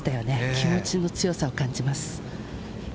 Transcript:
気持ちの強さを感じます。